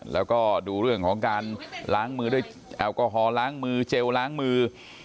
แล้วก็ดูเรื่องของการล้างมือด้วยแอลกอฮอลล้างมือเจลล้างมือ